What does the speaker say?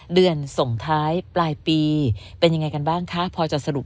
เดือนส่งท้ายปลายปีเป็นยังไงกันบ้างคะพอจะสรุป